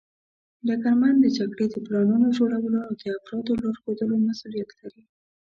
ډګرمن د جګړې د پلانونو جوړولو او د افرادو لارښودلو مسوولیت لري.